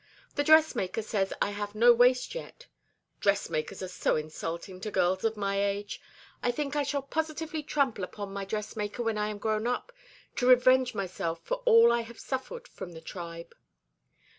The dressmaker says I have no waist yet. Dressmakers are so insulting to girls of my age. I think I shall positively trample upon my dressmaker when I am grown up, to revenge myself for all I have suffered from the tribe."